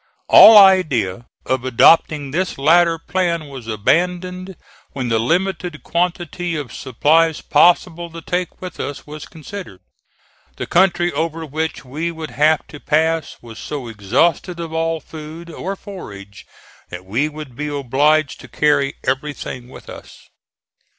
All idea of adopting this latter plan was abandoned when the limited quantity of supplies possible to take with us was considered. The country over which we would have to pass was so exhausted of all food or forage that we would be obliged to carry everything with us.